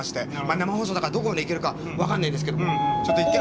生放送だからどこまでいけるか分からないですけど。